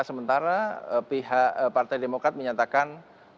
sementara pihak partai demokrat menyatakan